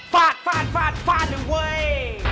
ฟาดฟาดฟาดฟาดนะเว้ย